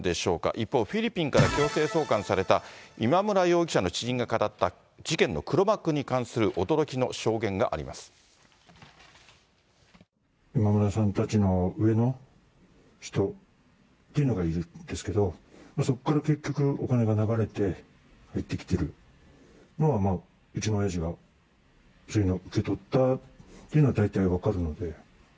一方、フィリピンから強制送還された今村容疑者の知人が語った事件の黒今村さんたちの上の人っていうのがいるんですけど、そこから結局、お金が流れて入ってきているのはまあ、うちの親父が受け取ったっていうのは、大体分かるので。